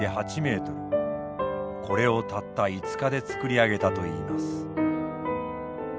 これをたった５日で作り上げたといいます。